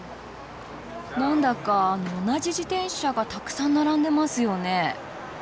何だかあの同じ自転車がたくさん並んでますよね？